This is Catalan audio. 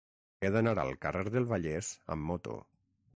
He d'anar al carrer del Vallès amb moto.